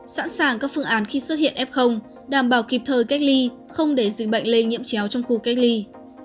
sẵn sàng các phương án khi xuất hiện f đảm bảo kịp thời cách ly không để dịch bệnh lây nhiễm chéo trong khu cách ly